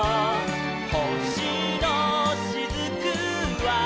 「ほしのしずくは」